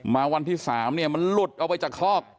มาวันที่๓มันหลุดเอาไปจากคอก